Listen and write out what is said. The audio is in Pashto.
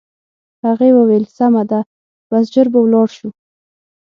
هغې وویل: سمه ده، بس ژر به ولاړ شو.